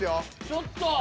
ちょっと！